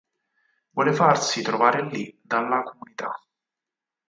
Vuole farsi trovare lì dalla Comunità.